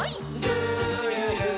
「るるる」